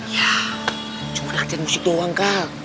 ya cuma latihan musik doang kak